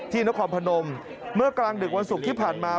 นครพนมเมื่อกลางดึกวันศุกร์ที่ผ่านมา